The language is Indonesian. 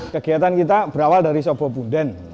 kegiatan kita berawal dari sebuah punden